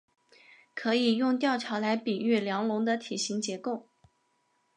可以用吊桥来比喻梁龙的体型结构。